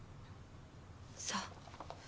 そう。